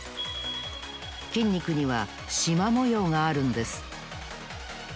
筋肉にはしまもようがあるんです